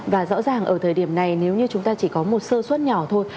và rõ ràng ở thời điểm này nếu như chúng ta chỉ có một sơ suất nhỏ thôi